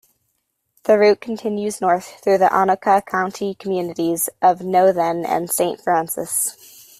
The route continues north through the Anoka County communities of Nowthen and Saint Francis.